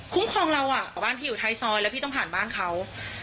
ครองเราอ่ะบ้านพี่อยู่ท้ายซอยแล้วพี่ต้องผ่านบ้านเขา